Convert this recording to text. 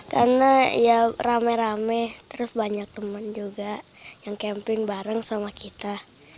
karena ya rame rame terus banyak teman juga yang camping bareng sama kita